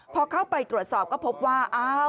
พอเข้าไปตรวจสอบก็พบว่า